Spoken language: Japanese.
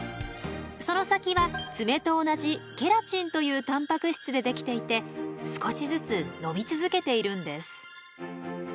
その先は爪と同じケラチンというたんぱく質で出来ていて少しずつ伸び続けているんです。